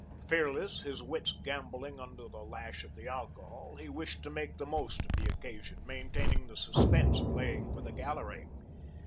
Fearless, his wits gambolling under the lash of the alcohol, he wished to make the most of the occasion, maintaining the suspense, playing for the gallery.